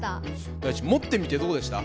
大馳持ってみてどうでした？